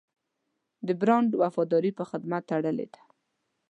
د برانډ وفاداري په خدمت تړلې ده.